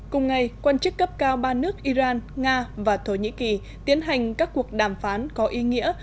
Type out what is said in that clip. cùng ngày quan chức cấp cao ba nước iran nga và thổ nhĩ kỳ tiến hành các cuộc đàm phán có ý nghĩa